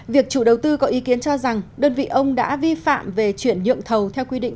việc chủ đầu tư có ý kiến cho rằng đơn vị ông đã vi phạm về chuyển nhượng thầu theo quy định